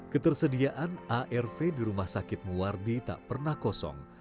ketersediaan arv di rumah sakit muwardi tak pernah kosong